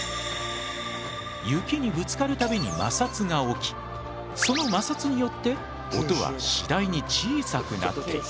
雪にぶつかるたびに摩擦が起きその摩擦によって音は次第に小さくなっていく。